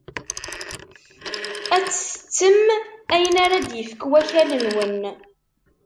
Ad tettettem ayen ara d-yefk wakal-nwen.